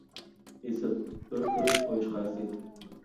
ئېسىل! بىر كۆرۈپ قويۇشقا ئەرزىيدۇ.